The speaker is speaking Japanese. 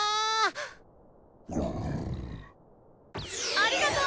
ありがと！